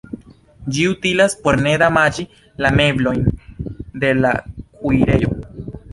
Ĝi utilas por ne damaĝi la meblojn de la kuirejo.